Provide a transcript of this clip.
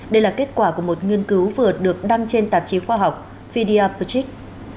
đây là kết quả của một nghiên cứu vừa được đăng trên tạp chí khoa học videopotrick